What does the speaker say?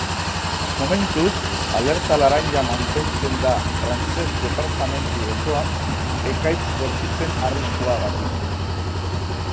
Momentuz, alerta laranja mantentzen da frantsez departamentu osoan, ekaitz bortitzen arriskuagatik.